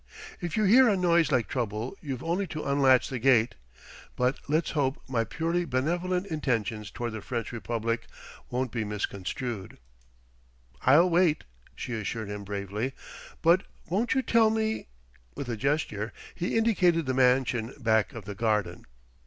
If you hear a noise like trouble, you've only to unlatch the gate.... But let's hope my purely benevolent intentions toward the French Republic won't be misconstrued!" "I'll wait," she assured him bravely; "but won't you tell me ?" With a gesture, he indicated the mansion back of the garden.